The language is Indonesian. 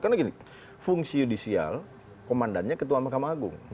karena gini fungsi yudisial komandannya ketua mahkamah agung